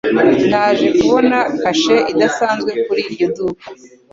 Naje kubona kashe idasanzwe kuri iryo duka.